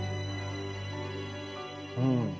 うん。